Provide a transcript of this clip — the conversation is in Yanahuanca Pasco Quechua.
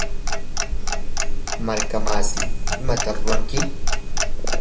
markamasi, ¿imata ruranki?